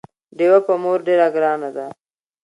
ډيوه په مور ډېره ګرانه ده